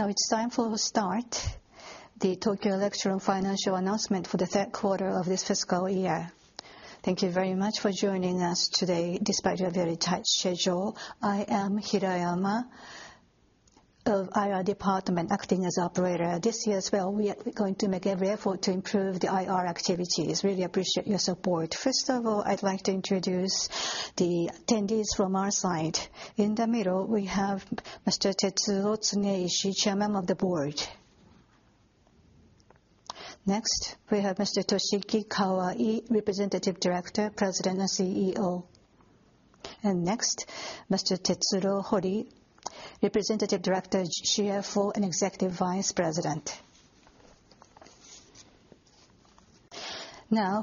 Now it's time for start the Tokyo Electron financial announcement for the third quarter of this fiscal year. Thank you very much for joining us today despite your very tight schedule. I am Hirayama of IR department, acting as operator. This year as well, we are going to make every effort to improve the IR activities. Really appreciate your support. First of all, I'd like to introduce the attendees from our side. In the middle, we have Mr. Tetsuo Tsuneishi, Chairman of the Board. Next, we have Mr. Toshiki Kawai, Representative Director, President and CEO. Next, Mr. Tetsuro Hori, Representative Director, CFO and Executive Vice President.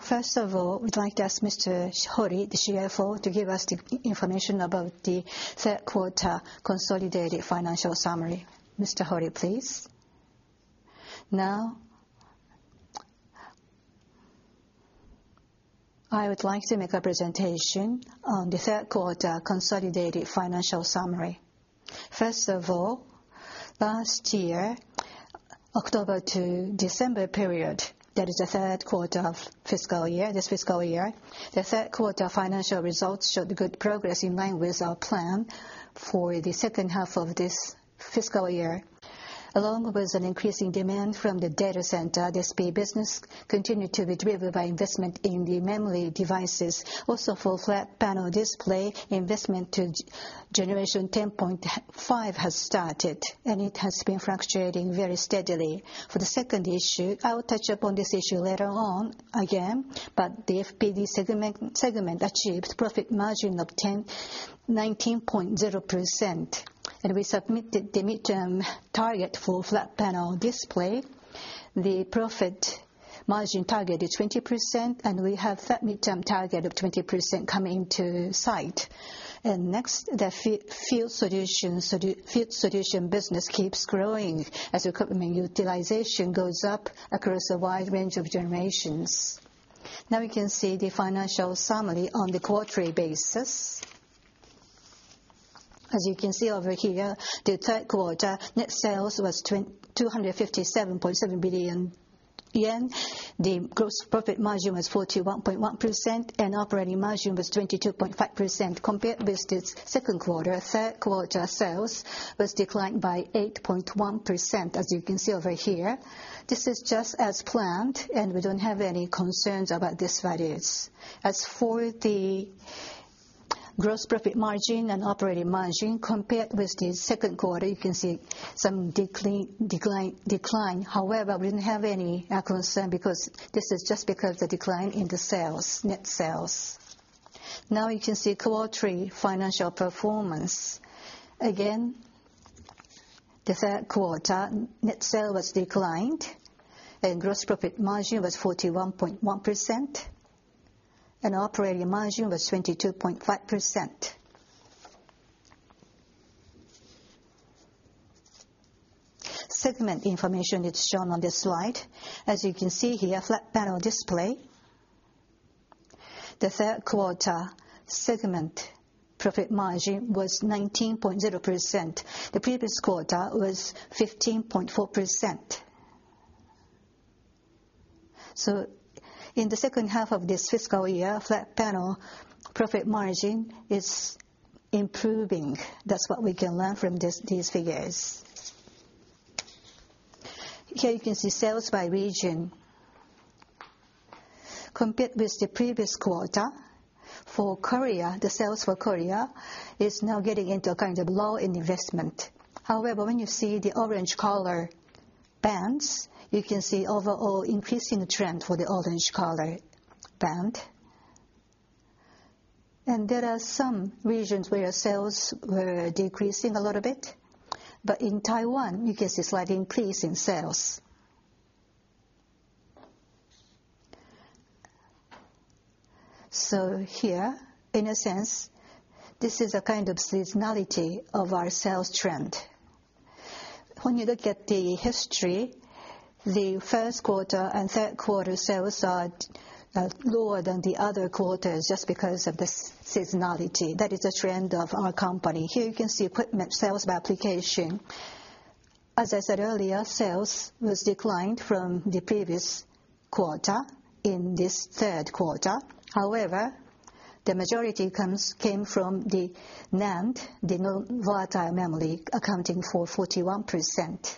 First of all, we'd like to ask Mr. Hori, the CFO, to give us the information about the third quarter consolidated financial summary. Mr. Hori, please. I would like to make a presentation on the third quarter consolidated financial summary. Last year, October to December period, that is the third quarter of this fiscal year. The third quarter financial results showed good progress in line with our plan for the second half of this fiscal year. Along with an increasing demand from the data center, the SP business continued to be driven by investment in the memory devices. Also, for flat panel display, investment to Generation 10.5 has started, and it has been fluctuating very steadily. For the second issue, I will touch upon this issue later on again, but the FPD segment achieved profit margin of 19.0%, and we submitted the midterm target for flat panel display. The profit margin target is 20%, and we have that midterm target of 20% coming to sight. Next, the field solution business keeps growing as equipment utilization goes up across a wide range of generations. We can see the financial summary on the quarterly basis. As you can see over here, the third quarter net sales was 257.7 billion yen. The gross profit margin was 41.1%, and operating margin was 22.5%. Compared with the second quarter, third quarter sales was declined by 8.1%, as you can see over here. This is just as planned, we don't have any concerns about these values. As for the gross profit margin and operating margin, compared with the second quarter, you can see some decline. However, we didn't have any concern because this is just because of the decline in the net sales. You can see quarterly financial performance. Again, the third quarter net sales was declined, gross profit margin was 41.1%, and operating margin was 22.5%. Segment information is shown on this slide. As you can see here, flat panel display. The third quarter segment profit margin was 19.0%. The previous quarter was 15.4%. In the second half of this fiscal year, flat panel profit margin is improving. That's what we can learn from these figures. Here you can see sales by region. Compared with the previous quarter, for Korea, the sales for Korea is now getting into a kind of lull in investment. However, when you see the orange color bands, you can see overall increasing trend for the orange color band. There are some regions where sales were decreasing a little bit. In Taiwan, you can see slight increase in sales. Here, in a sense, this is a kind of seasonality of our sales trend. When you look at the history, the first quarter and third quarter sales are lower than the other quarters just because of the seasonality. That is a trend of our company. Here you can see equipment sales by application. As I said earlier, sales was declined from the previous quarter in this third quarter. However, the majority came from the NAND, the non-volatile memory, accounting for 41%.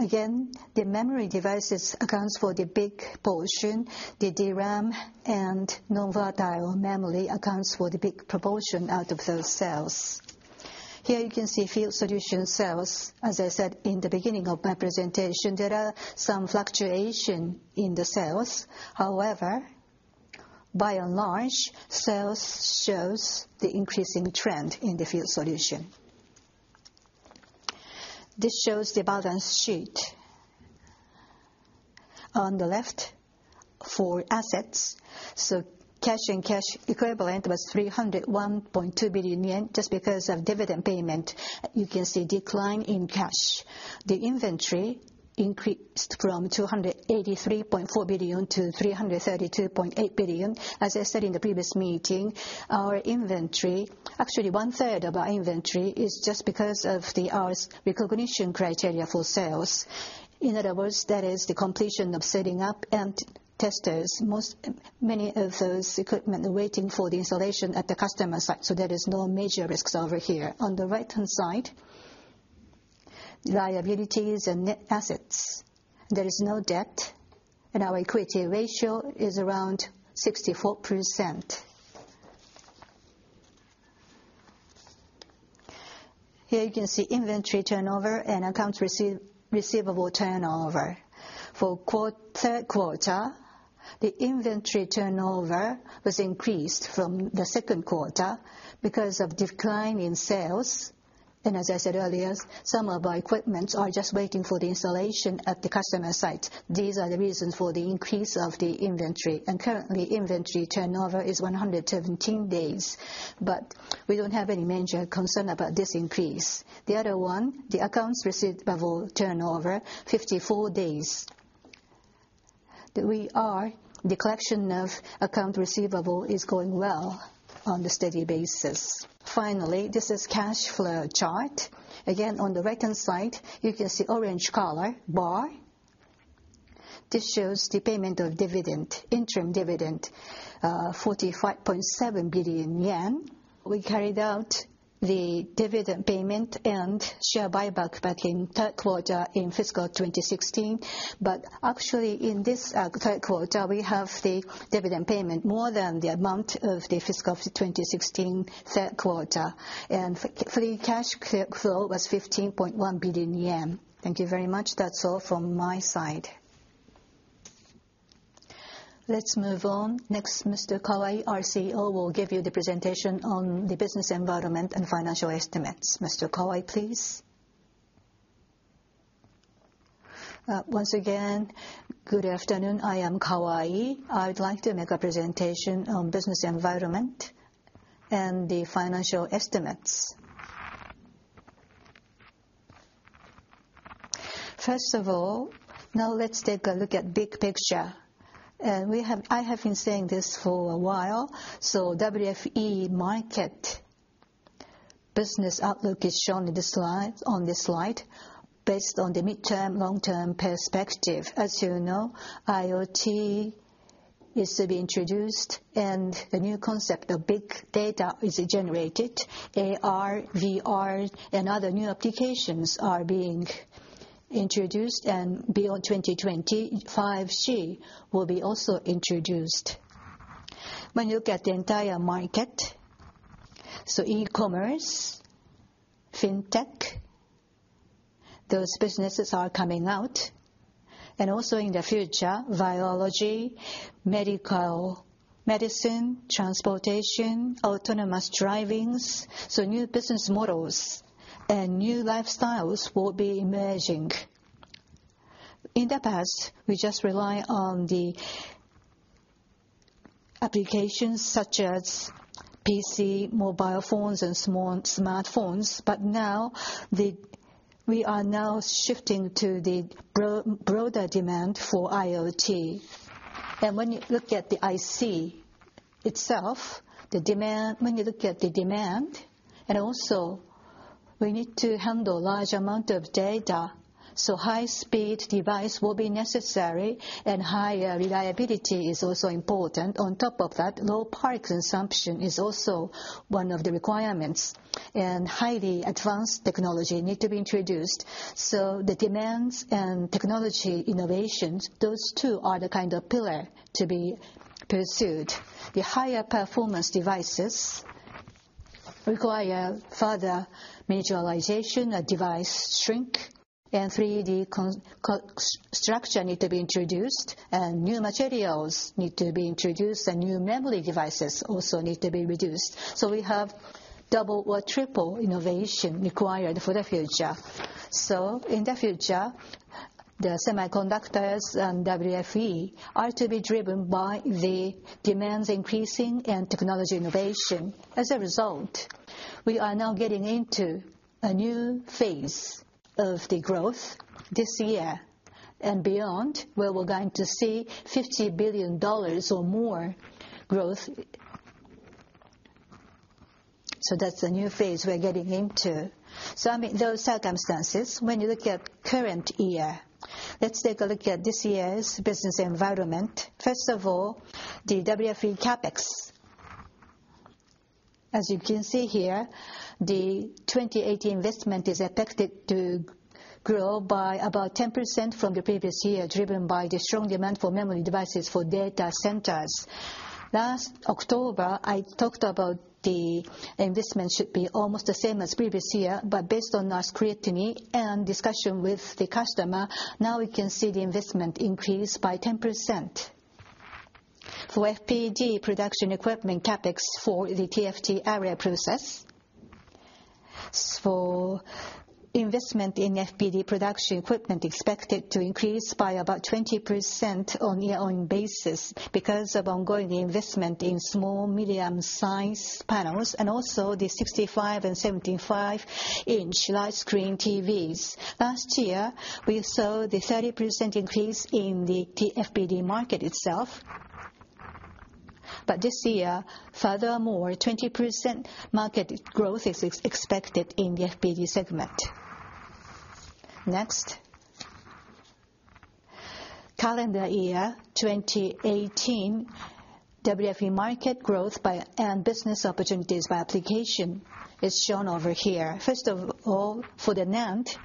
Again, the memory devices accounts for the big portion. The DRAM and non-volatile memory accounts for the big proportion out of those sales. Here you can see field solution sales. As I said in the beginning of my presentation, there are some fluctuation in the sales. However, by and large, sales shows the increasing trend in the field solution. This shows the balance sheet. On the left, for assets, cash and cash equivalent was 301.2 billion yen. Just because of dividend payment, you can see decline in cash. The inventory increased from 283.4 billion to 332.8 billion. As I said in the previous meeting, actually one third of our inventory is just because of our recognition criteria for sales. In other words, that is the completion of setting up and testers. Many of those equipment are waiting for the installation at the customer site, so there is no major risks over here. On the right-hand side, liabilities and net assets. There is no debt, and our equity ratio is around 64%. Here you can see inventory turnover and accounts receivable turnover. For third quarter, the inventory turnover was increased from the second quarter because of decline in sales. As I said earlier, some of our equipments are just waiting for the installation at the customer site. These are the reasons for the increase of the inventory. Currently, inventory turnover is 117 days, but we don't have any major concern about this increase. The other one, the accounts receivable turnover 54 days. The collection of account receivable is going well on the steady basis. Finally, this is cash flow chart. Again, on the right-hand side, you can see orange color bar. This shows the payment of interim dividend, 45.7 billion yen. We carried out the dividend payment and share buyback, in third quarter in fiscal 2016. Actually, in this third quarter, we have the dividend payment more than the amount of the fiscal 2016 third quarter, and free cash flow was 15.1 billion yen. Thank you very much. That's all from my side. Let's move on. Next, Mr. Kawai, our CEO, will give you the presentation on the business environment and financial estimates. Mr. Kawai, please. Once again, good afternoon. I am Kawai. I would like to make a presentation on business environment and the financial estimates. First of all, now let's take a look at big picture. I have been saying this for a while. WFE market business outlook is shown on this slide based on the midterm, long-term perspective. As you know, IoT is to be introduced, and a new concept of big data is generated. AR, VR, and other new applications are being introduced, and beyond 2020, 5G will be also introduced. When you look at the entire market, e-commerce, fintech, those businesses are coming out. Also in the future, biology, medical, medicine, transportation, autonomous drivings. New business models and new lifestyles will be emerging. In the past, we just rely on the applications such as PC, mobile phones, and smartphones, but we are now shifting to the broader demand for IoT. When you look at the IC itself, when you look at the demand, also we need to handle large amount of data, high-speed device will be necessary and higher reliability is also important. On top of that, low power consumption is also one of the requirements, highly advanced technology need to be introduced. The demands and technology innovations, those two are the kind of pillar to be pursued. The higher performance devices require further miniaturization, a device shrink, 3D structure need to be introduced, new materials need to be introduced, and new memory devices also need to be reduced. We have double or triple innovation required for the future. In the future, the semiconductors and WFE are to be driven by the demands increasing and technology innovation. As a result, we are now getting into a new phase of the growth this year and beyond, where we're going to see $50 billion or more growth. That's a new phase we're getting into. Under those circumstances, when you look at current year, let's take a look at this year's business environment. First of all, the WFE CapEx. As you can see here, the 2018 investment is expected to grow by about 10% from the previous year, driven by the strong demand for memory devices for data centers. Last October, I talked about the investment should be almost the same as previous year, based on our scrutiny and discussion with the customer, now we can see the investment increase by 10%. Investment in FPD production equipment expected to increase by about 20% on year-on-year basis because of ongoing investment in small, medium-size panels, the 65 and 75-inch large screen TVs. Last year, we saw the 30% increase in the FPD market itself. This year, furthermore, 20% market growth is expected in the FPD segment. Next. Calendar year 2018, WFE market growth and business opportunities by application is shown over here. First of all, for the NAND,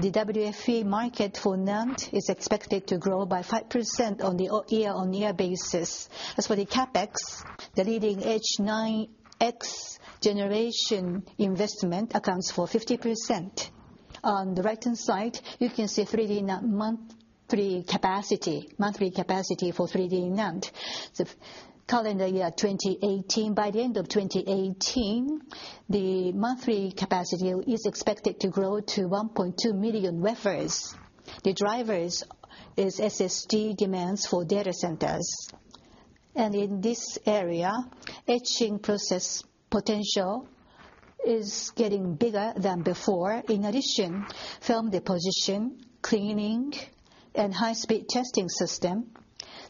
the WFE market for NAND is expected to grow by 5% on the year-on-year basis. As for the CapEx, the leading 9X generation investment accounts for 50%. On the right-hand side, you can see monthly capacity for 3D NAND. Calendar year 2018, by the end of 2018, the monthly capacity is expected to grow to 1.2 million wafers. The drivers is SSD demands for data centers. In this area, etching process potential is getting bigger than before. In addition, film deposition, cleaning, and high-speed testing system.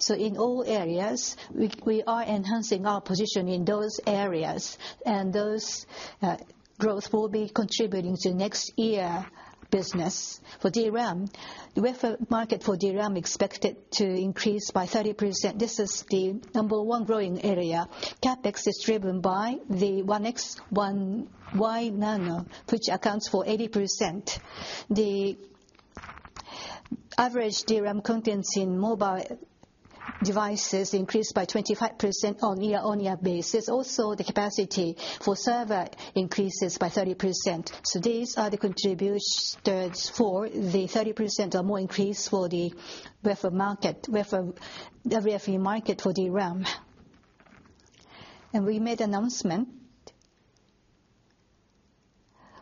In all areas, we are enhancing our position in those areas, those growth will be contributing to next year business. For DRAM, WFE market for DRAM expected to increase by 30%. This is the number one growing area. CapEx is driven by the 1X/1Y nano, which accounts for 80%. The average DRAM contents in mobile devices increased by 25% on year-on-year basis. The capacity for server increases by 30%. These are the contributors for the 30% or more increase for the WFE market for DRAM. We made announcement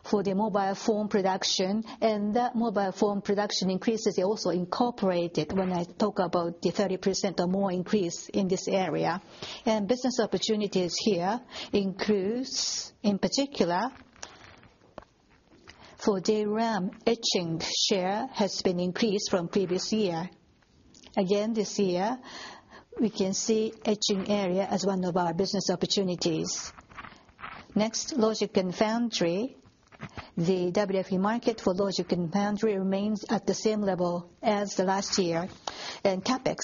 for the mobile phone production, that mobile phone production increase is also incorporated when I talk about the 30% or more increase in this area. Business opportunities here includes, in particular, for DRAM, etching share has been increased from previous year. Again, this year, we can see etching area as one of our business opportunities. Next, logic and foundry. The WFE market for logic and foundry remains at the same level as the last year. CapEx,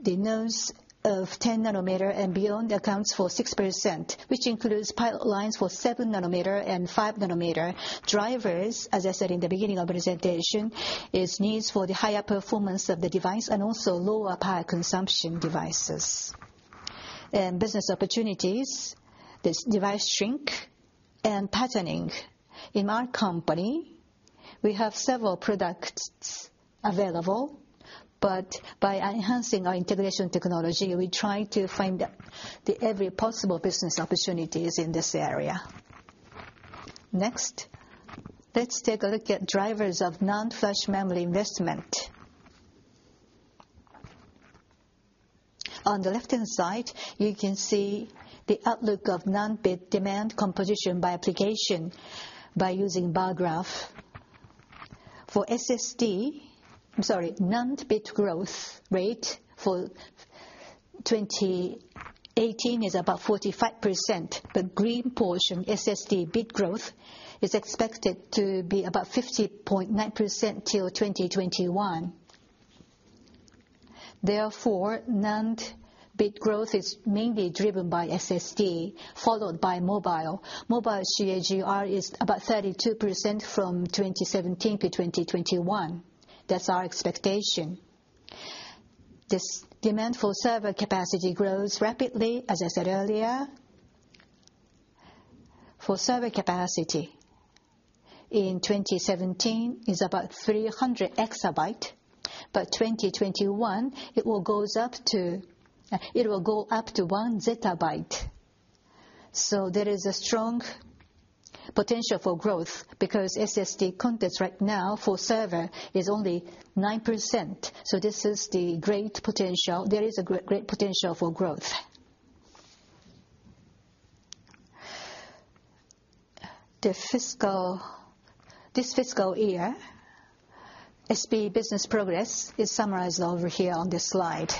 the nodes of 10 nanometer and beyond accounts for 6%, which includes pipelines for 7 nanometer and 5 nanometer. Drivers, as I said in the beginning of presentation, is needs for the higher performance of the device and also lower power consumption devices. Business opportunities, this device shrink and patterning. In our company, we have several products available, but by enhancing our integration technology, we try to find every possible business opportunities in this area. Next, let's take a look at drivers of NAND flash memory investment. On the left-hand side, you can see the outlook of NAND bit demand composition by application by using bar graph. For SSD, I'm sorry, NAND bit growth rate for 2018 is about 45%. The green portion, SSD bit growth, is expected to be about 50.9% till 2021. Therefore, NAND bit growth is mainly driven by SSD, followed by mobile. Mobile CAGR is about 32% from 2017 to 2021. That's our expectation. This demand for server capacity grows rapidly, as I said earlier. For server capacity in 2017 is about 300 exabyte, but 2021, it will go up to 1 zettabyte. There is a strong potential for growth because SSD contents right now for server is only 9%. There is a great potential for growth. This fiscal year, SP business progress is summarized over here on this slide.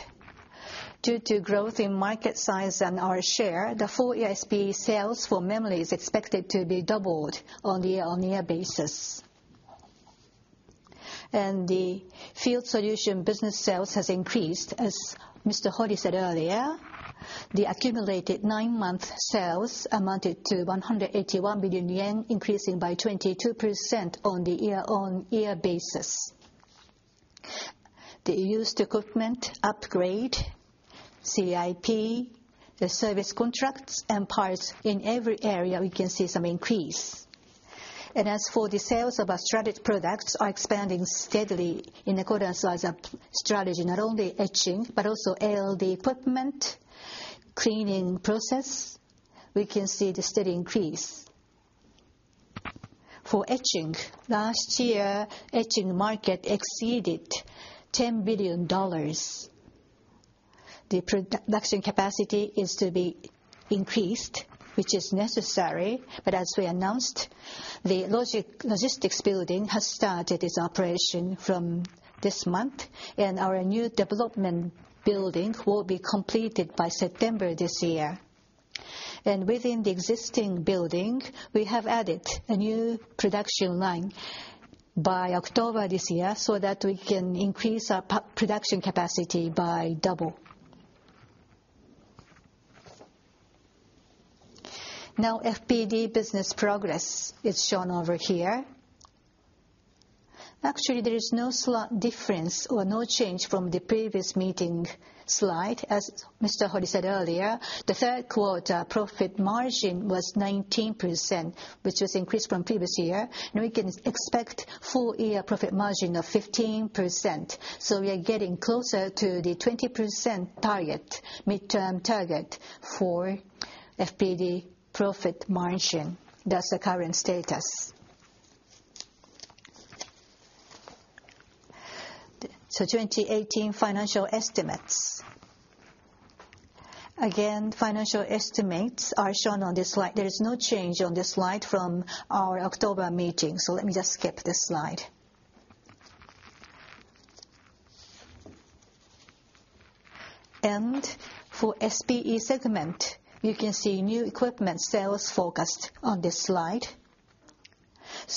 Due to growth in market size and our share, the full SP sales for memory is expected to be doubled on year-on-year basis. The field solution business sales has increased, as Mr. Hori said earlier. The accumulated nine-month sales amounted to 181 billion yen, increasing by 22% on the year-on-year basis. The used equipment upgrade, CIP, the service contracts, and parts, in every area, we can see some increase. As for the sales of our strategic products are expanding steadily in accordance with our strategy, not only etching, but also ALD equipment, cleaning process, we can see the steady increase. For etching, last year, etching market exceeded $10 billion. The production capacity is to be increased, which is necessary, but as we announced, the logistics building has started its operation from this month, and our new development building will be completed by September this year. Within the existing building, we have added a new production line by October this year, so that we can increase our production capacity by double. Now, FPD business progress is shown over here. Actually, there is no difference or no change from the previous meeting slide. As Mr. Hori said earlier, the third quarter profit margin was 19%, which was increased from previous year. Now we can expect full-year profit margin of 15%. We are getting closer to the 20% midterm target for FPD profit margin. That's the current status. 2018 financial estimates. Again, financial estimates are shown on this slide. There is no change on this slide from our October meeting, so let me just skip this slide. For SPE segment, you can see new equipment sales forecast on this slide.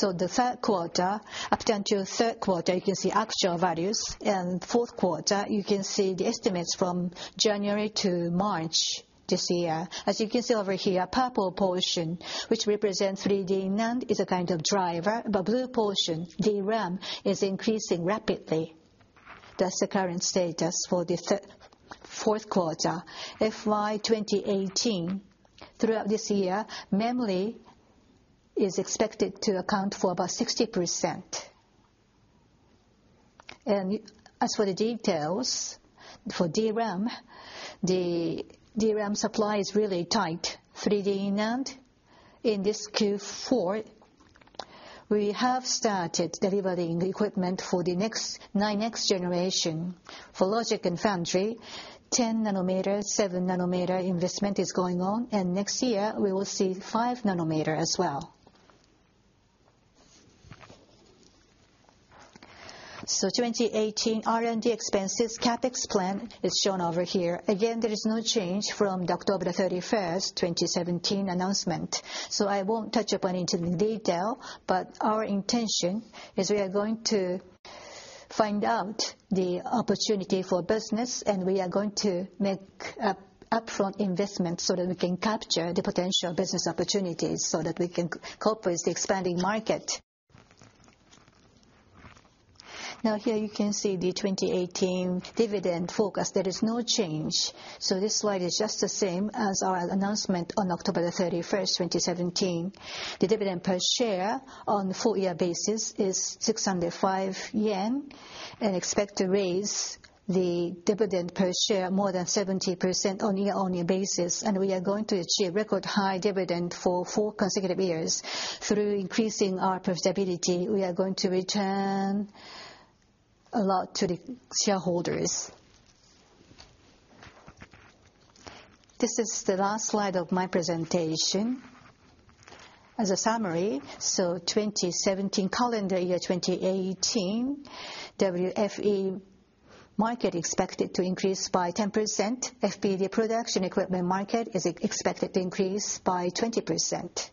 Up until third quarter, you can see actual values, and fourth quarter, you can see the estimates from January to March this year. As you can see over here, purple portion, which represents 3D NAND, is a kind of driver, but blue portion, DRAM, is increasing rapidly. That's the current status for the fourth quarter. FY 2018, throughout this year, memory is expected to account for about 60%. As for the details, for DRAM, the DRAM supply is really tight. 3D NAND, in this Q4, we have started delivering the equipment for the next generation. For logic and foundry, 10 nanometer, seven nanometer investment is going on, and next year we will see five nanometer as well. 2018 R&D expenses, CapEx plan is shown over here. There is no change from the October 31st, 2017 announcement. I won't touch upon into the detail, but our intention is we are going to find out the opportunity for business, and we are going to make upfront investment so that we can capture the potential business opportunities, so that we can cope with the expanding market. Here you can see the 2018 dividend forecast. There is no change. This slide is just the same as our announcement on October 31st, 2017. The dividend per share on full-year basis is 605 yen, and expect to raise the dividend per share more than 70% on a yearly basis. We are going to achieve record-high dividend for four consecutive years. Through increasing our profitability, we are going to return a lot to the shareholders. This is the last slide of my presentation. 2017 calendar year, 2018 WFE market expected to increase by 10%. FPD production equipment market is expected to increase by 20%.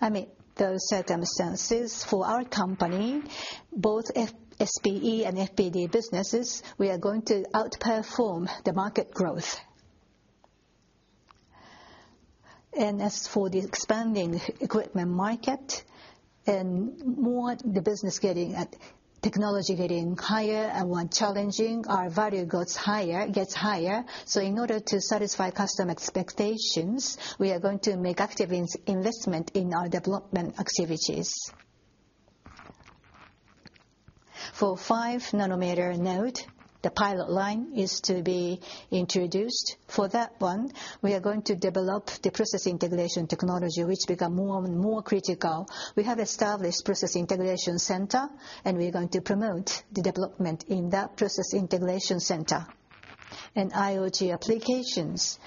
Amid those circumstances, for our company, both SPE and FPD businesses, we are going to outperform the market growth. As for the expanding equipment market, and more the business getting at technology getting higher and more challenging, our value gets higher. In order to satisfy customer expectations, we are going to make active investment in our development activities. For five nanometer node, the pilot line is to be introduced. For that one, we are going to develop the process integration technology, which become more and more critical. We have established Process Integration Center, and we are going to promote the development in that Process Integration Center. IoT applications.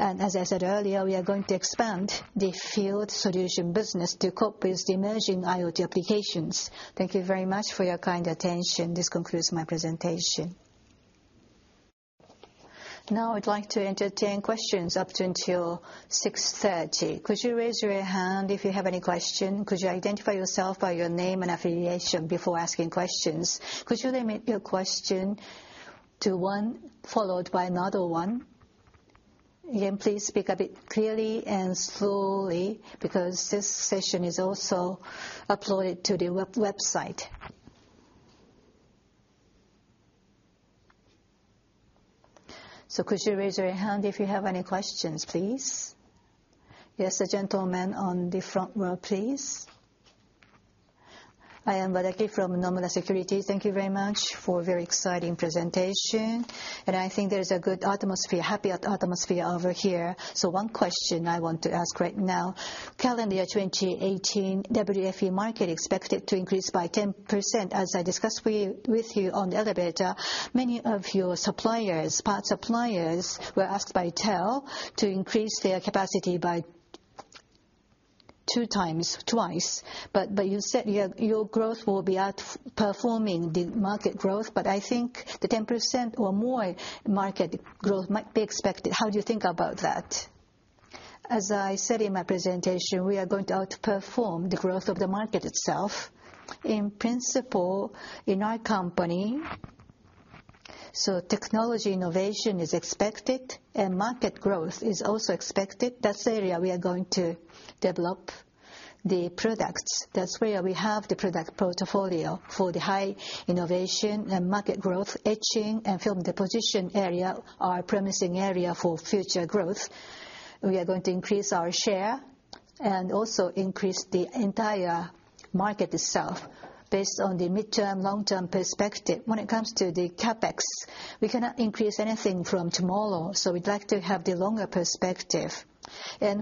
As I said earlier, we are going to expand the field solution business to cope with the emerging IoT applications. Thank you very much for your kind attention. This concludes my presentation. I'd like to entertain questions up until 6:30 P.M. Could you raise your hand if you have any question? Could you identify yourself by your name and affiliation before asking questions? Could you limit your question to one, followed by another one? Please speak a bit clearly and slowly, because this session is also uploaded to the website. Could you raise your hand if you have any questions, please? Yes, the gentleman on the front row, please. I am Badaki from Nomura Securities. Thank you very much for a very exciting presentation. I think there is a good atmosphere, happy atmosphere over here. One question I want to ask right now. Calendar 2018, WFE market expected to increase by 10%. As I discussed with you on the elevator, many of your suppliers, part suppliers, were asked by TEL to increase their capacity by two times, twice. You said your growth will be outperforming the market growth, but I think the 10% or more market growth might be expected. How do you think about that? As I said in my presentation, we are going to outperform the growth of the market itself. In principle, in our company, technology innovation is expected and market growth is also expected. That's the area we are going to develop the products. That's where we have the product portfolio for the high innovation and market growth. Etching and film deposition area are a promising area for future growth. We are going to increase our share and also increase the entire market itself based on the midterm, long-term perspective. When it comes to the CapEx, we cannot increase anything from tomorrow, we'd like to have the longer perspective.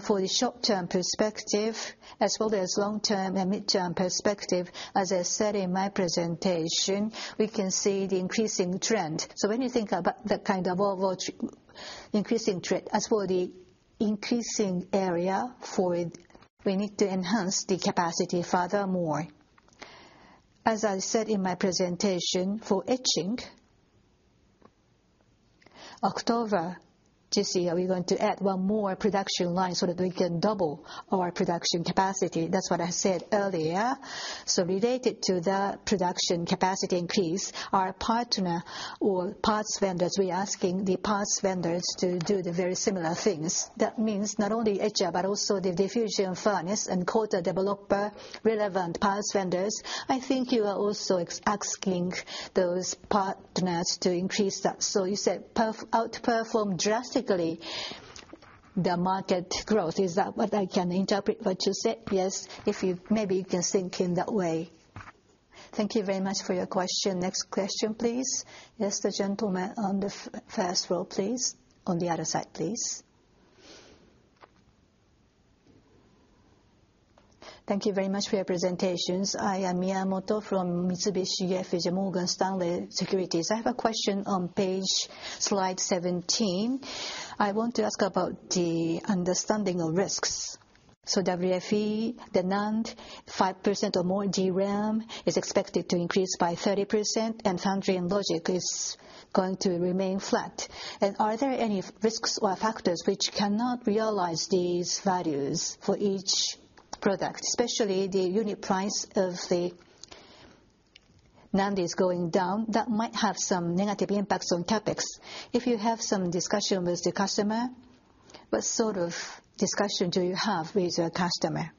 For the short-term perspective, as well as long-term and midterm perspective, as I said in my presentation, we can see the increasing trend. When you think about that kind of overall increasing trend, as for the increasing area for it, we need to enhance the capacity furthermore. As I said in my presentation, for etching, October this year, we are going to add one more production line so that we can double our production capacity. That's what I said earlier. Related to that production capacity increase, our partner or parts vendors, we are asking the parts vendors to do the very similar things. That means not only etcher, but also the diffusion furnace and coater/developer, relevant parts vendors. I think you are also asking those partners to increase that. You said outperform drastically the market growth. Is that what I can interpret what you said? Yes. Maybe you can think in that way. Thank you very much for your question. Next question, please. Yes, the gentleman on the first row, please. On the other side, please. Thank you very much for your presentations. I am Miyamoto from Mitsubishi UFJ Morgan Stanley Securities. I have a question on page slide 17. I want to ask about the understanding of risks. WFE, the NAND 5% or more DRAM is expected to increase by 30%, and foundry and logic is going to remain flat. Are there any risks or factors which cannot realize these values for each product? Especially the unit price of the NAND is going down. That might have some negative impacts on CapEx. If you have some discussion with the customer, what sort of discussion do you have with your customer?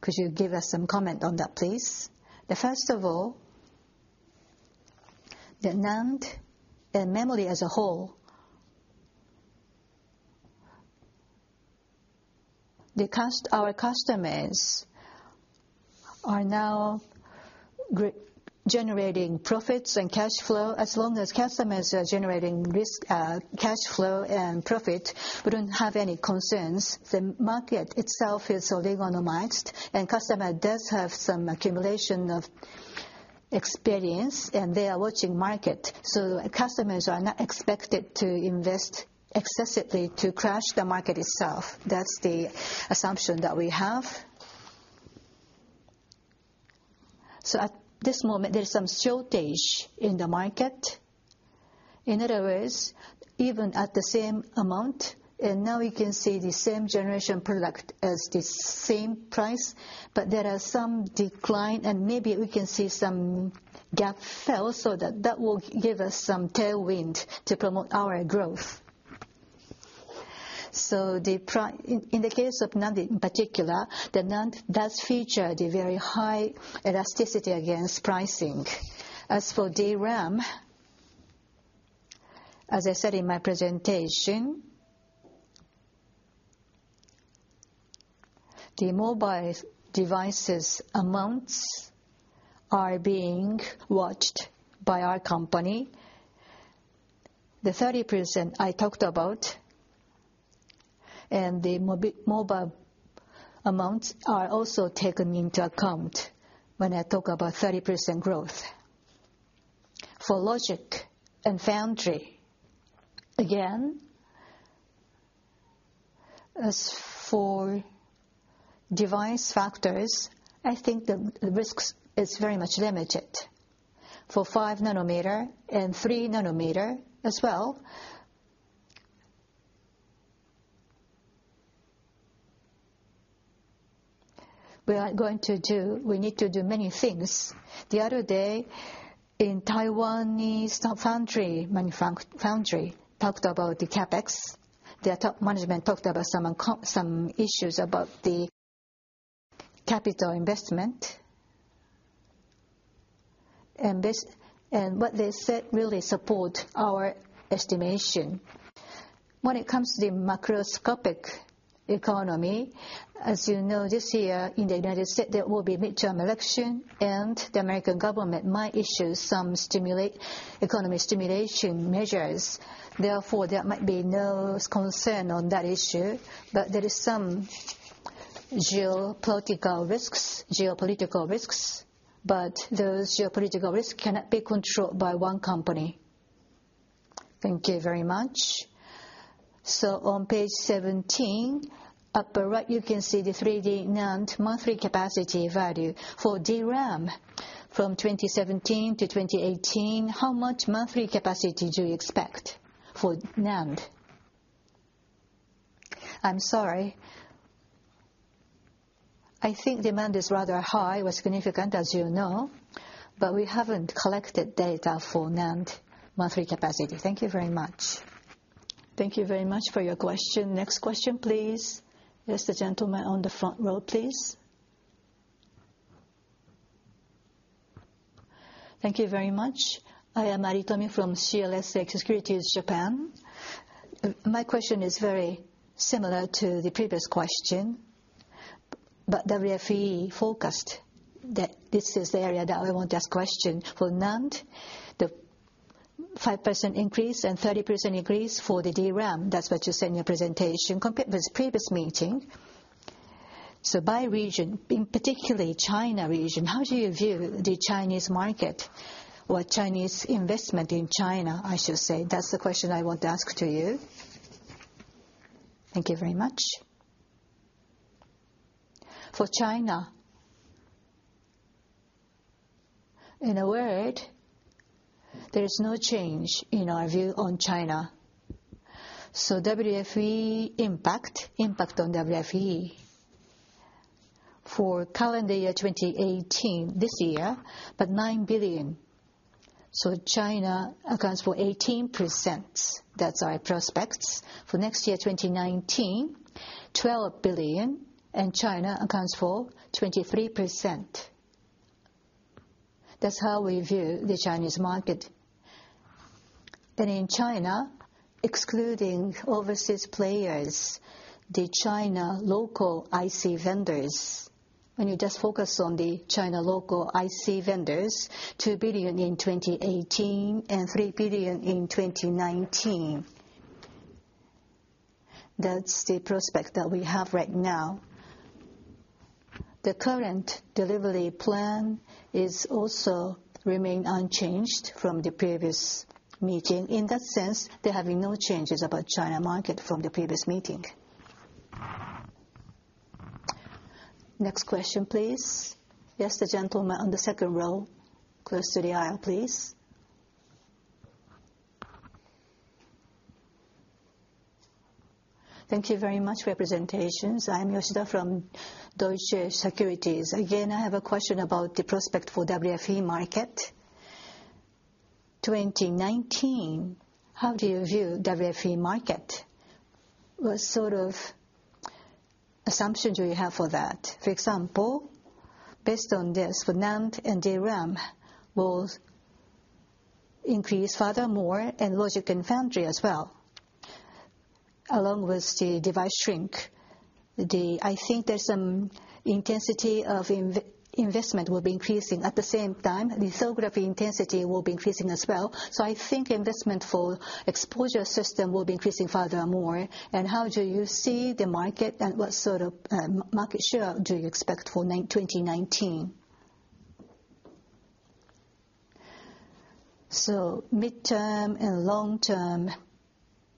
Could you give us some comment on that, please? First of all, the NAND and memory as a whole, our customers are now generating profits and cash flow. As long as customers are generating cash flow and profit, we don't have any concerns. The market itself is organized, and customer does have some accumulation of experience, and they are watching market. Customers are not expected to invest excessively to crash the market itself. That's the assumption that we have. At this moment, there's some shortage in the market. In other words, even at the same amount, now we can see the same generation product as the same price, there are some decline, maybe we can see some gap fill, that will give us some tailwind to promote our growth. In the case of NAND in particular, NAND does feature the very high elasticity against pricing. For DRAM, as I said in my presentation, the mobile devices amounts are being watched by our company. 30% I talked about and the mobile amounts are also taken into account when I talk about 30% growth. Logic and foundry, as for device factors, I think the risks is very much limited. For 5 nanometer and 3 nanometer as well, we need to do many things. The other day in Taiwanese foundry, talked about the CapEx. Their top management talked about some issues about the capital investment. What they said really support our estimation. When it comes to the macroscopic economy, as you know, this year in the U.S., there will be midterm election, and the American government might issue some economy stimulation measures. There might be no concern on that issue. There is some geopolitical risks, but those geopolitical risks cannot be controlled by one company. Thank you very much. On page 17, upper right, you can see the 3D NAND monthly capacity value for DRAM from 2017 to 2018. How much monthly capacity do you expect for NAND? I am sorry. I think demand is rather high or significant, as you know, but we haven't collected data for NAND monthly capacity. Thank you very much. Thank you very much for your question. Next question, please. Yes, the gentleman on the front row, please. Thank you very much. I am Ari Tommy from CLSA Securities Japan. My question is very similar to the previous question, WFE forecast that this is the area that I want to ask question. For NAND, the 5% increase and 30% increase for the DRAM. That's what you said in your presentation compared with previous meeting. By region, in particularly China region, how do you view the Chinese market? Or Chinese investment in China, I should say. That's the question I want to ask to you. Thank you very much. China, in a word, there is no change in our view on China. Impact on WFE. For calendar year 2018, this year, 9 billion. China accounts for 18%. That's our prospects. For next year, 2019, 12 billion, and China accounts for 23%. That's how we view the Chinese market. In China, excluding overseas players, the China local IC vendors, when you just focus on the China local IC vendors, 2 billion in 2018 and 3 billion in 2019. That's the prospect that we have right now. The current delivery plan is also remain unchanged from the previous meeting. In that sense, there have been no changes about China market from the previous meeting. Next question, please. Yes, the gentleman on the second row, close to the aisle, please. Thank you very much, representations. I am Yoshida from Deutsche Securities. I have a question about the prospect for WFE market. 2019, how do you view WFE market? What sort of assumptions do you have for that? Based on this, for NAND and DRAM will increase furthermore and logic and foundry as well, along with the device shrink. I think the intensity of investment will be increasing. At the same time, the geography intensity will be increasing as well. I think investment for exposure system will be increasing furthermore. How do you see the market and what sort of market share do you expect for 2019? Midterm and long-term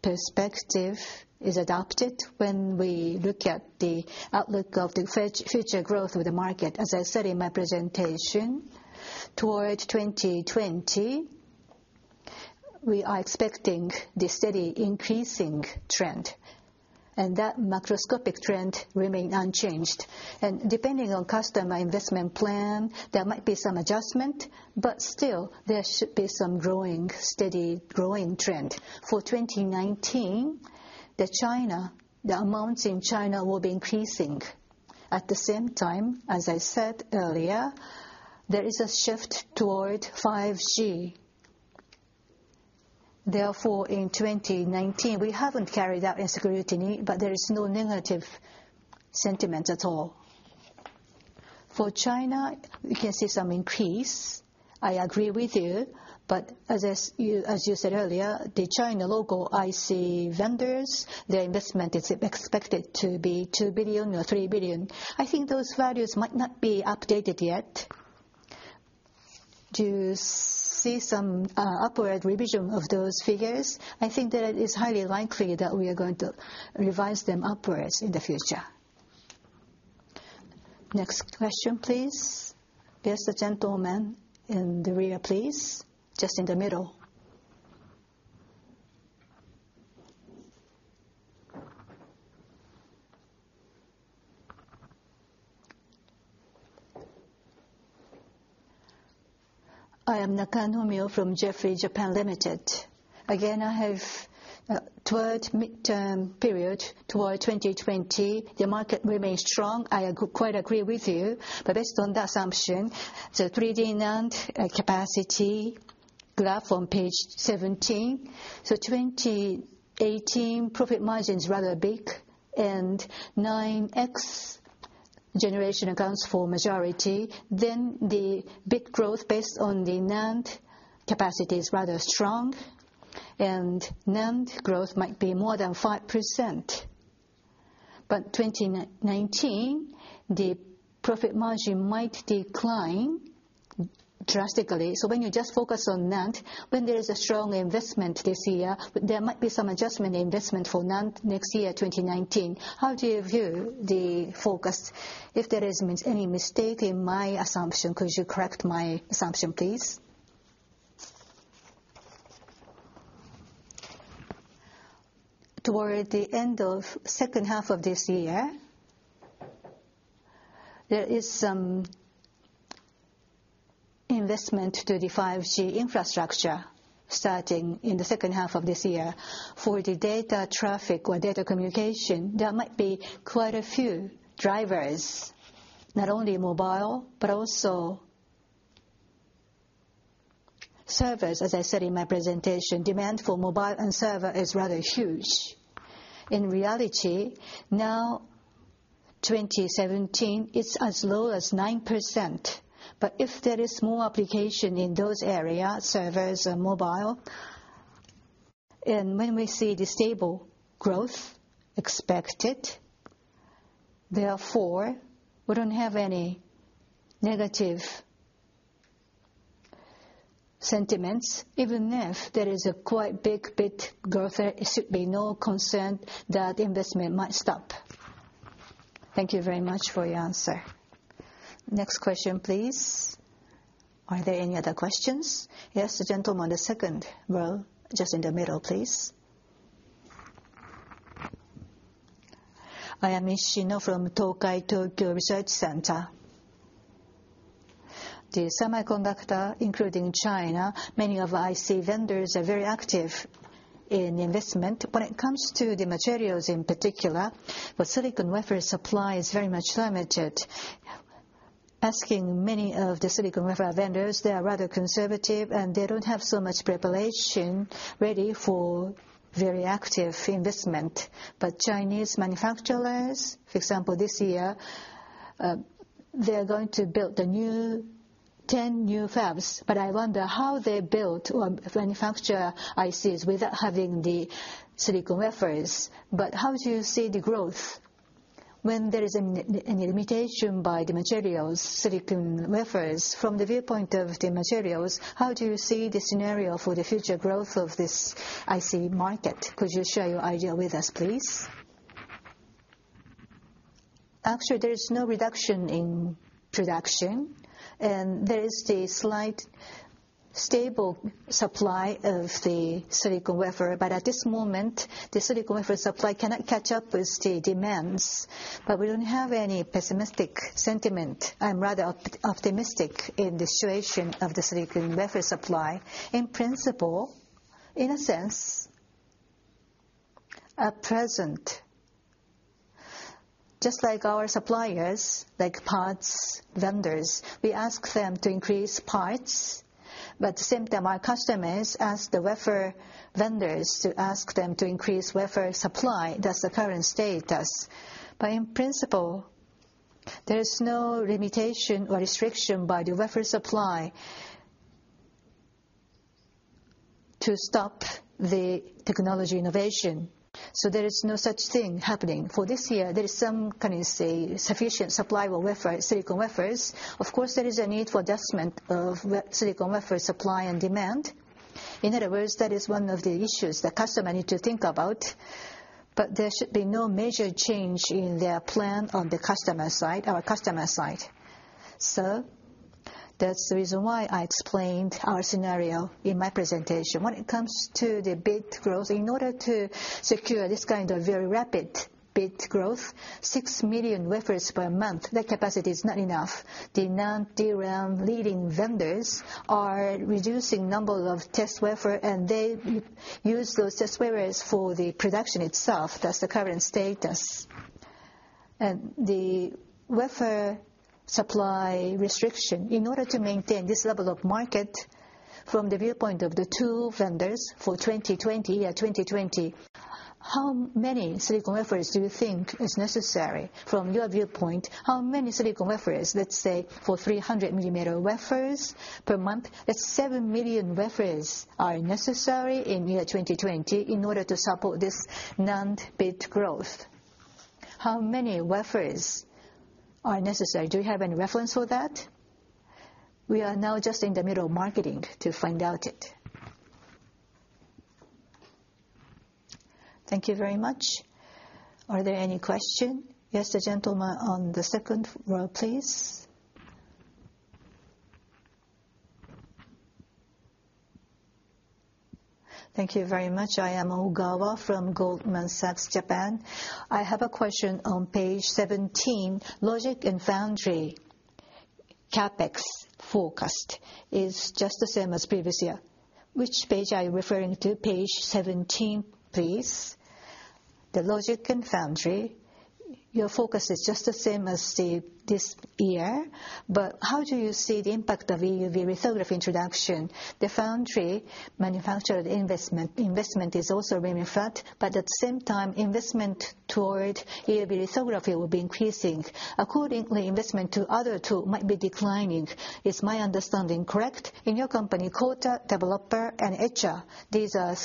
perspective is adopted when we look at the outlook of the future growth of the market. As I said in my presentation, toward 2020, we are expecting the steady increasing trend, and that macroscopic trend remain unchanged. Depending on customer investment plan, there might be some adjustment, but still there should be some steady growing trend. For 2019, the amounts in China will be increasing. At the same time, as I said earlier, there is a shift toward 5G. Therefore, in 2019, we haven't carried out a scrutiny, but there is no negative sentiment at all. For China, we can see some increase. I agree with you, but as you said earlier, the China local IC vendors, their investment is expected to be 2 billion or 3 billion. I think those values might not be updated yet. Do you see some upward revision of those figures? I think that it is highly likely that we are going to revise them upwards in the future. Next question, please. Yes, the gentleman in the rear, please. Just in the middle. I am Nakanomyo from Jefferies Japan Limited. Again, Toward midterm period, toward 2020, the market remains strong. I quite agree with you, but based on the assumption, the 3D NAND capacity graph on page 17. 2018 profit margin is rather big and 9X generation accounts for majority, then the bit growth based on the NAND capacity is rather strong and NAND growth might be more than 5%. But 2019, the profit margin might decline drastically. When you just focus on NAND, when there is a strong investment this year, there might be some adjustment investment for NAND next year, 2019. How do you view the forecast? If there is any mistake in my assumption, could you correct my assumption, please? Toward the end of second half of this year, there is some investment to the 5G infrastructure starting in the second half of this year. For the data traffic or data communication, there might be quite a few drivers, not only mobile, but also servers, as I said in my presentation. Demand for mobile and server is rather huge. In reality, now 2017 is as low as 9%. But if there is more application in those areas, servers and mobile, when we see the stable growth expected, therefore, we don't have any negative sentiments. Even if there is a quite big bit growth, there should be no concern that investment might stop. Thank you very much for your answer. Next question, please. Are there any other questions? Yes, the gentleman, the second row, just in the middle, please. I am Ishino from Tokai Tokyo Research Center. The semiconductor, including China, many of IC vendors are very active in investment. When it comes to the materials in particular, silicon wafer supply is very much limited. Asking many of the silicon wafer vendors, they are rather conservative, they don't have so much preparation ready for very active investment. Chinese manufacturers, for example, this year, they're going to build 10 new fabs, I wonder how they build or manufacture ICs without having the silicon wafers. How do you see the growth when there is a limitation by the materials, silicon wafers? From the viewpoint of the materials, how do you see the scenario for the future growth of this IC market? Could you share your idea with us, please? Actually, there is no reduction in production, there is the slight stable supply of the silicon wafer, at this moment, the silicon wafer supply cannot catch up with the demands. We don't have any pessimistic sentiment. I am rather optimistic in the situation of the silicon wafer supply. In principle, in a sense, at present, just like our suppliers, like parts vendors, we ask them to increase parts, same time, our customers ask the wafer vendors to ask them to increase wafer supply. That is the current status. In principle, there is no limitation or restriction by the wafer supply to stop the technology innovation. So there is no such thing happening. For this year, there is some, can you say, sufficient supply of silicon wafers. Of course, there is a need for adjustment of silicon wafer supply and demand. In other words, that is one of the issues the customer need to think about, there should be no major change in their plan on our customer side. So that is the reason why I explained our scenario in my presentation. When it comes to the bit growth, in order to secure this kind of very rapid bit growth, 6 million wafers per month, that capacity is not enough. The NAND, DRAM leading vendors are reducing number of test wafer, they use those test wafers for the production itself. That is the current status. The wafer supply restriction, in order to maintain this level of market from the viewpoint of the two vendors for 2020, how many silicon wafers do you think is necessary? From your viewpoint, how many silicon wafers, let us say for 300 millimeter wafers per month? That is 7 million wafers are necessary in year 2020 in order to support this NAND bit growth. How many wafers are necessary? Do you have any reference for that? We are now just in the middle of marketing to find out it. Thank you very much. Are there any question? Yes, the gentleman on the second row, please. Thank you very much. I am Ogawa from Goldman Sachs Japan. I have a question on page 17, logic and foundry CapEx forecast is just the same as previous year. Which page are you referring to? Page 17, please. The logic and foundry, your focus is just the same as this year, how do you see the impact of EUV lithography introduction? The foundry manufactured investment is also remaining flat, at the same time, investment toward EUV lithography will be increasing. Accordingly, investment to other tool might be declining. Is my understanding correct? In your company, coater, developer, and etcher, these are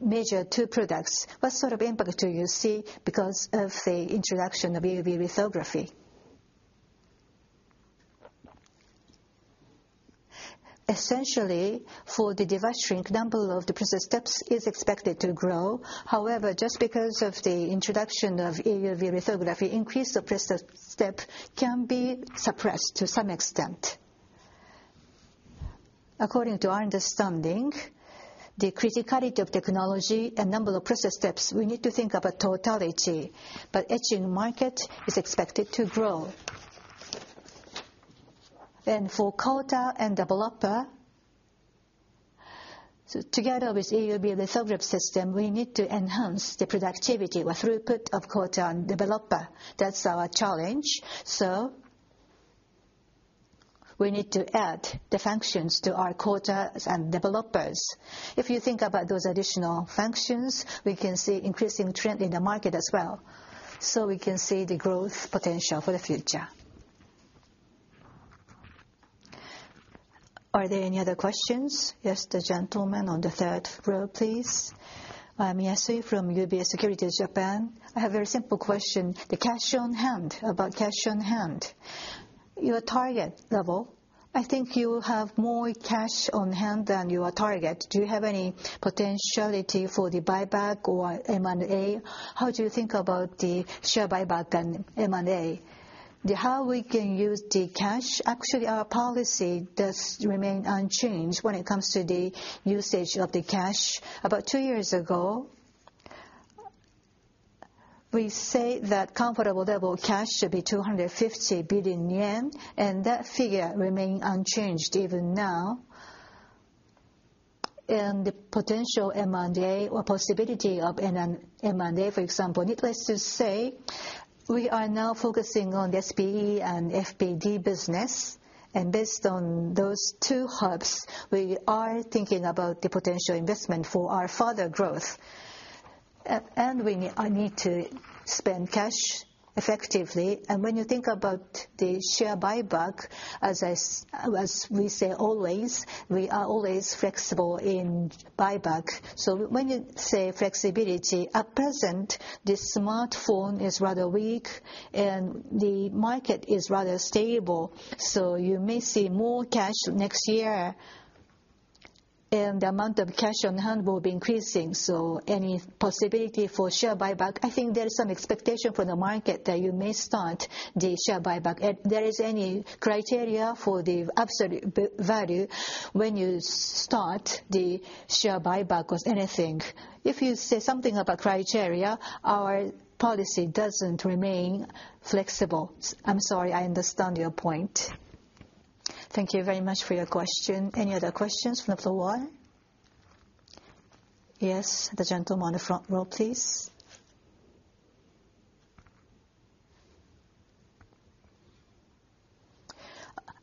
major tool products. What sort of impact do you see because of the introduction of EUV lithography? Essentially, for the device shrink, number of the process steps is expected to grow. Just because of the introduction of EUV lithography, increase of process step can be suppressed to some extent. According to our understanding, the criticality of technology and number of process steps, we need to think about totality. Etching market is expected to grow. For coater and developer, together with EUV lithography system, we need to enhance the productivity or throughput of coater and developer. That's our challenge. We need to add the functions to our coaters and developers. If you think about those additional functions, we can see increasing trend in the market as well. We can see the growth potential for the future. Are there any other questions? Yes, the gentleman on the third row, please. I'm Yasui from UBS Securities Japan. I have a very simple question. The cash on hand. About cash on hand. Your target level, I think you have more cash on hand than your target. Do you have any potentiality for the buyback or M&A? How do you think about the share buyback and M&A? How we can use the cash? Our policy does remain unchanged when it comes to the usage of the cash. About two years ago, we say that comfortable level cash should be 250 billion yen. That figure remain unchanged even now. The potential M&A or possibility of M&A, for example, needless to say, we are now focusing on the SPE and FPD business. Based on those two hubs, we are thinking about the potential investment for our further growth. I need to spend cash effectively. When you think about the share buyback, as we say always, we are always flexible in buyback. When you say flexibility, at present, the smartphone is rather weak and the market is rather stable. You may see more cash next year. The amount of cash on hand will be increasing. Any possibility for share buyback, I think there is some expectation from the market that you may start the share buyback. Is there any criteria for the absolute value when you start the share buyback or anything? If you say something about criteria, our policy doesn't remain flexible. I'm sorry. I understand your point. Thank you very much for your question. Any other questions from the floor? Yes, the gentleman on the front row, please.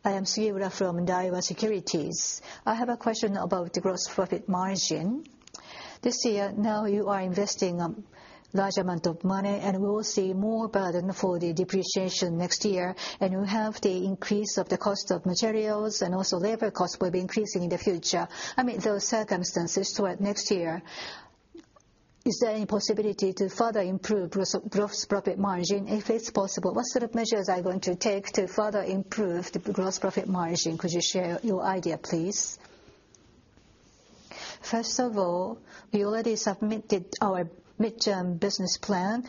I am Suira from Daiwa Securities. I have a question about the gross profit margin. This year, now you are investing a large amount of money. We will see more burden for the depreciation next year. You have the increase of the cost of materials. Also labor cost will be increasing in the future. Among those circumstances toward next year, is there any possibility to further improve gross profit margin? If it's possible, what sort of measures are you going to take to further improve the gross profit margin? Could you share your idea, please? First of all, we already submitted our midterm business plan,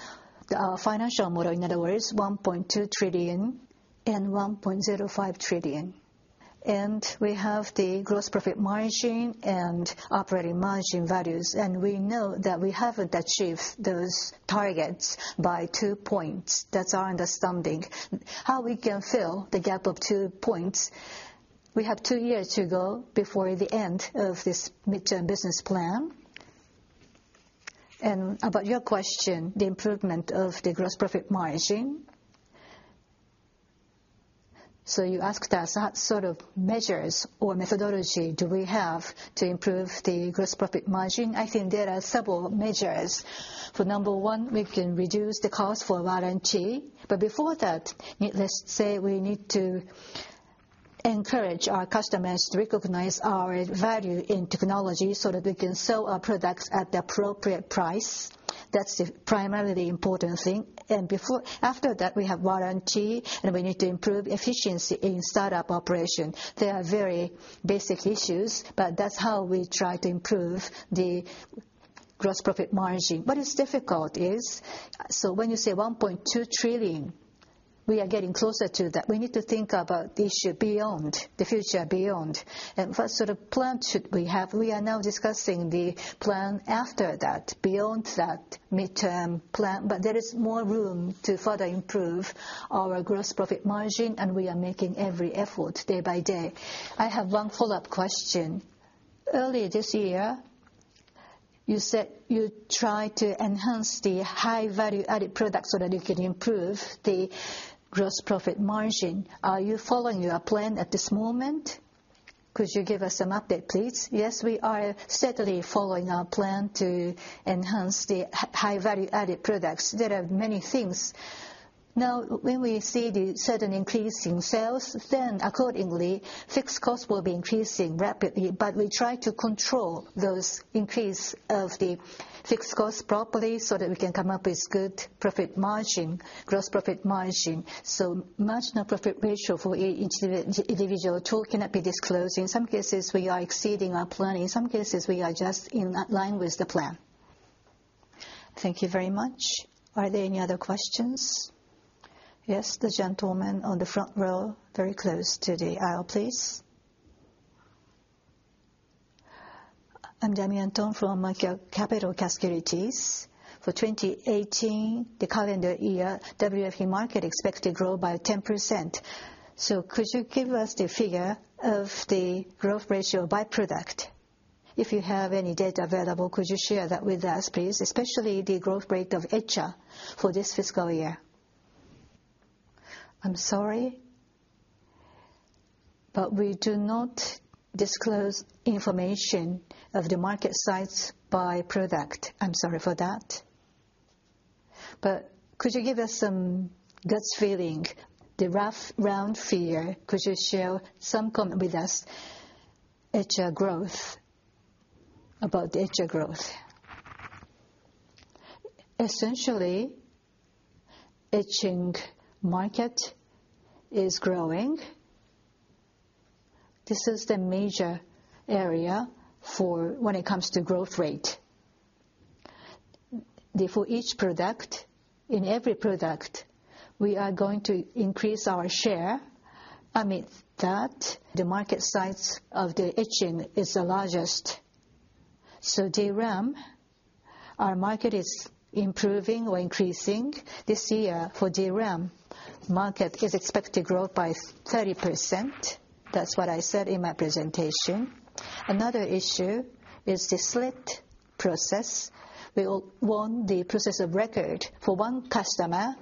our financial model, in other words, 1.2 trillion and 1.05 trillion. We have the gross profit margin and operating margin values. We know that we haven't achieved those targets by two points. That's our understanding. How we can fill the gap of two points? We have two years to go before the end of this midterm business plan. About your question, the improvement of the gross profit margin. You asked us what sort of measures or methodology do we have to improve the gross profit margin? I think there are several measures. For number one, we can reduce the cost for warranty. But before that, let us say we need to encourage our customers to recognize our value in technology so that we can sell our products at the appropriate price. That is the primarily important thing. After that, we have warranty, and we need to improve efficiency in startup operation. They are very basic issues, but that is how we try to improve the gross profit margin. What is difficult is, when you say 1.2 trillion JPY, we are getting closer to that. We need to think about the issue beyond, the future beyond. What sort of plan should we have? We are now discussing the plan after that, beyond that midterm plan. But there is more room to further improve our gross profit margin, and we are making every effort day by day. I have one follow-up question. Earlier this year, you said you try to enhance the high value-added products so that you can improve the gross profit margin. Are you following your plan at this moment? Could you give us some update, please? Yes, we are steadily following our plan to enhance the high value-added products. There are many things. Now, when we see the sudden increase in sales, accordingly, fixed costs will be increasing rapidly. But we try to control those increase of the fixed cost properly so that we can come up with good profit margin, gross profit margin. Marginal profit ratio for each individual tool cannot be disclosed. In some cases, we are exceeding our plan. In some cases, we are just in line with the plan. Thank you very much. Are there any other questions? Yes. The gentleman on the front row, very close to the aisle, please. I am Damian Thong from Macquarie Capital Securities. For 2018, the calendar year, WFE market expected growth by 10%. Could you give us the figure of the growth ratio by product? If you have any data available, could you share that with us, please, especially the growth rate of etcher for this fiscal year? I am sorry, but we do not disclose information of the market size by product. I am sorry for that. But could you give us some gut feeling, the rough round figure? Could you share some comment with us? Etcher growth, about etcher growth. Essentially, etching market is growing. This is the major area for when it comes to growth rate. For each product, in every product, we are going to increase our share. Amid that, the market size of the etching is the largest. DRAM, our market is improving or increasing. This year for DRAM market is expected to grow by 30%. That is what I said in my presentation. Another issue is the slit process. We won the process of record. For one customer,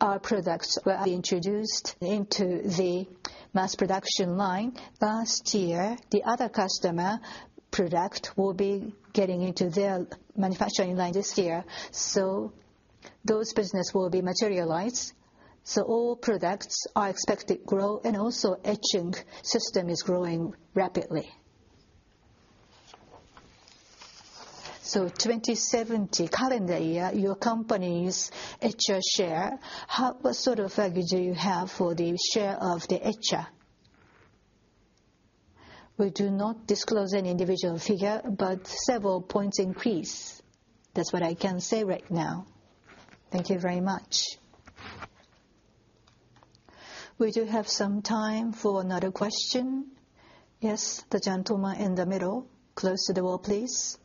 our products were introduced into the mass production line last year. The other customer product will be getting into their manufacturing line this year. Those business will be materialized. All products are expected growth and also etching system is growing rapidly. 2017 calendar year, your company's etcher share, what sort of figure do you have for the share of the etcher? We do not disclose any individual figure, but several points increase. That's what I can say right now. Thank you very much. We do have some time for another question. Yes, the gentleman in the middle, close to the wall, please.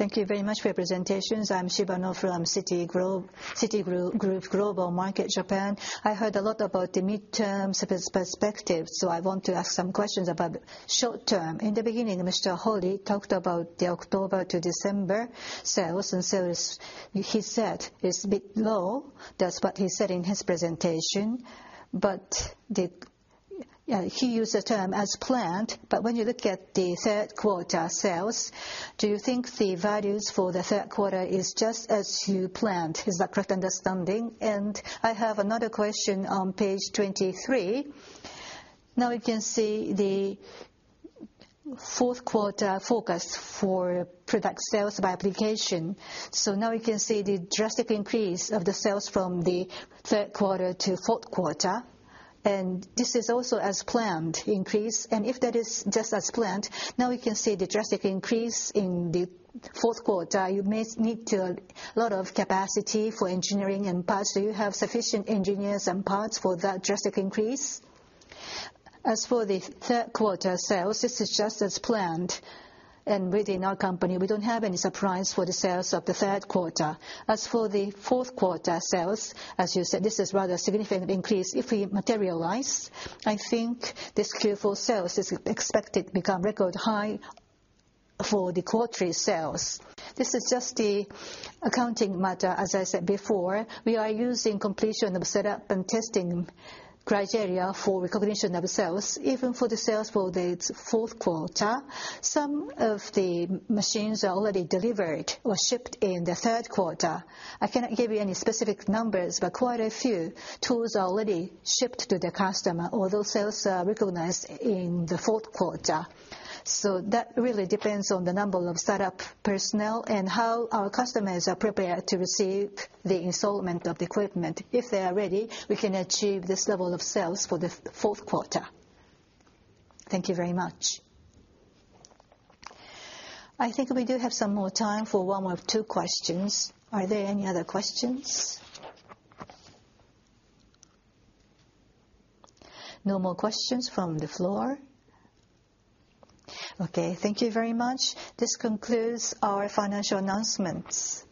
Thank you very much for your presentations. I'm Shibano from Citigroup Global Markets Japan. I heard a lot about the midterm perspective, I want to ask some questions about short term. In the beginning, Mr. Hori talked about the October to December sales, he said it's a bit low. That's what he said in his presentation. He used the term as planned. When you look at the third quarter sales, do you think the values for the third quarter is just as you planned? Is that correct understanding? I have another question on page 23. Now we can see the fourth quarter forecast for product sales by application. Now we can see the drastic increase of the sales from the third quarter to fourth quarter. This is also as planned increase. If that is just as planned, now we can see the drastic increase in the fourth quarter. You may need a lot of capacity for engineering and parts. Do you have sufficient engineers and parts for that drastic increase? As for the third quarter sales, this is just as planned. Within our company, we don't have any surprise for the sales of the third quarter. As for the fourth quarter sales, as you said, this is rather significant increase. If we materialize, I think this Q4 sales is expected become record high for the quarterly sales. This is just the accounting matter. As I said before, we are using completion of setup and testing criteria for recognition of sales. Even for the sales for the fourth quarter, some of the machines are already delivered or shipped in the third quarter. I cannot give you any specific numbers, quite a few tools are already shipped to the customer, although sales are recognized in the fourth quarter. That really depends on the number of setup personnel and how our customers are prepared to receive the installment of the equipment. If they are ready, we can achieve this level of sales for the fourth quarter. Thank you very much. I think we do have some more time for one or two questions. Are there any other questions? No more questions from the floor. Okay, thank you very much. This concludes our financial announcements.